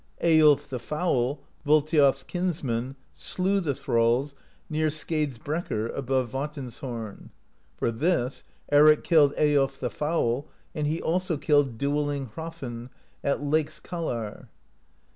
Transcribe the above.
Eyiolf the Foul, Val thiof's kinsman, slew the thralls near Skeidsbrekkur above Vatnshorn. For this Eric killed Eyiolf the Foul, and he also killed Duelling Hrafn, at Leikskalar.